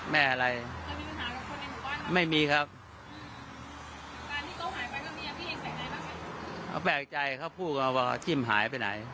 แปลกใจเค้าพูดว่าลุงจิ้มหายไปไหน